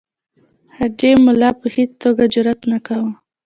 هډې ملا په هیڅ توګه جرأت نه کاوه.